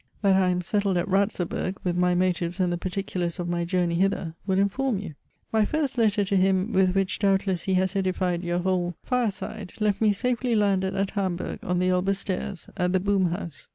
that I am settled at Ratzeburg, with my motives and the particulars of my journey hither, will inform you. My first letter to him, with which doubtless he has edified your whole fireside, left me safely landed at Hamburg on the Elbe Stairs, at the Boom House.